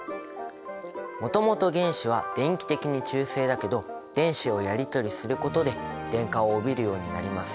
もともと原子は電気的に中性だけど電子をやりとりすることで電荷を帯びるようになります。